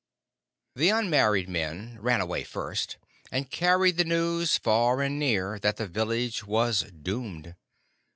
The unmarried men ran away first, and carried the news far and near that the village was doomed.